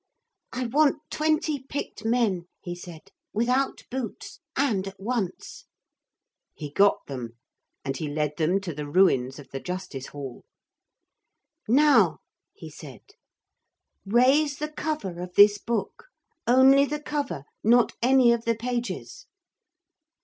'I want twenty picked men,' he said, 'without boots and at once.' He got them, and he led them to the ruins of the Justice Hall. 'Now,' he said, 'raise the cover of this book; only the cover, not any of the pages.'